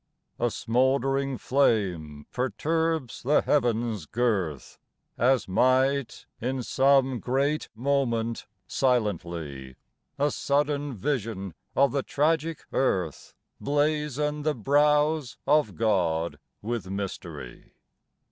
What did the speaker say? A smouldering flame perturbs the heaven's girth, As might, in some great moment, silently, A sudden vision of the tragic earth Blazon the brows of God with mystery.